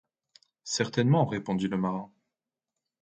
Certainement, répondit le marin